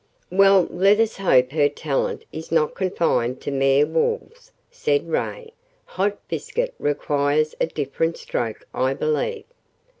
"Well, let us hope her talent is not confined to mere walls," said Ray. "Hot biscuit requires a different stroke, I believe."